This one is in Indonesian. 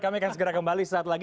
kami akan segera kembali saat lagi